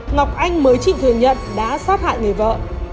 ngọc anh mới chịu thừa nhận đã sát hại người vợ